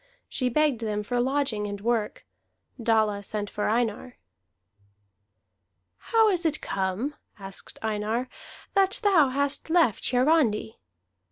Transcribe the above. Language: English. She begged them for lodging and work. Dalla sent for Einar. "How is it come," asked Einar, "that thou hast left Hiarandi?"